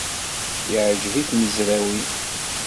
Yeɛjeb i tmezrawin.